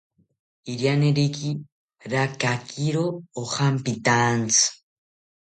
Irianeriki rakakiro ojampitaantzi